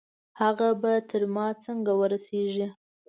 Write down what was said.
هغه به تر ما څنګه ورسېږي؟